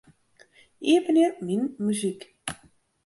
Iepenje Myn muzyk.